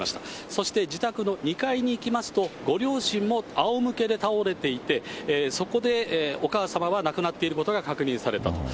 そして、自宅の２階に行きますと、ご両親もあおむけで倒れていて、そこでお母様は亡くなっていることが確認されたと。